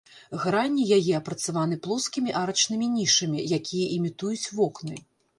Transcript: Грані яе апрацаваны плоскімі арачнымі нішамі, якія імітуюць вокны.